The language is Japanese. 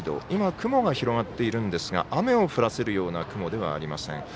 今、雲が広がっているんですが雨を降らせるような雲ではありません。